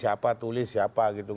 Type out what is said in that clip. siapa tulis siapa gitu